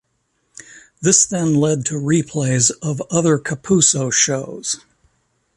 This then led to replays of other Kapuso shows.